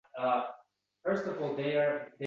Lekin u zotni qanday bilamiz?